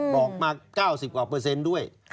บอกมา๙๐กว่าเปอร์เซ็นต์ด้วย